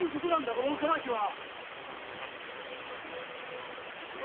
このお裁きは！